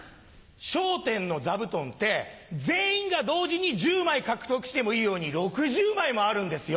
『笑点』の座布団って全員が同時に１０枚獲得してもいいように６０枚もあるんですよ。